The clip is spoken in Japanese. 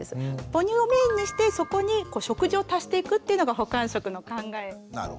母乳をメインにしてそこに食事を足していくというのが補完食の考え。